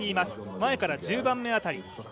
前から１０番目辺り。